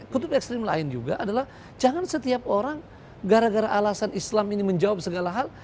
kutip ekstrim lain juga adalah jangan setiap orang gara gara alasan islam ini menjawab segala hal